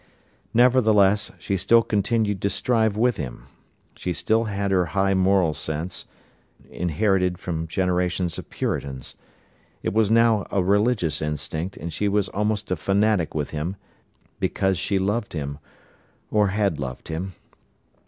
Nevertheless, she still continued to strive with him. She still had her high moral sense, inherited from generations of Puritans. It was now a religious instinct, and she was almost a fanatic with him, because she loved him, or had loved him.